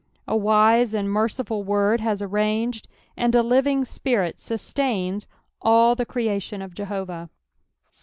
A wise and merciful Woid has arranged, and X living Spirit sustains all the creation of Jehovah, —.